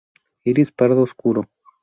Iris pardo oscuro.